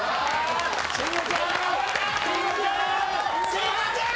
慎吾ちゃーん！